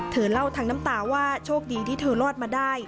เธอเล่าทั้งน้ำตาว่าโชคดีที่เธอรอดมาได้